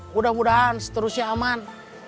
mudah mudahan seterusnya aman